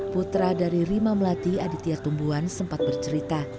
putra dari rima melati aditya tumbuhan sempat berjalan ke rumah rima melati